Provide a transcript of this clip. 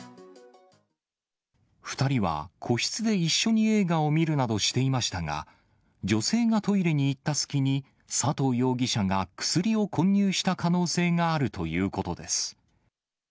２人は個室で一緒に映画を見るなどしていましたが、女性がトイレに行った隙に、佐藤容疑者が薬を混入した可能性があるということです。